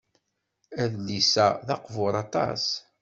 Adlis-a d aqbuṛ aṭas.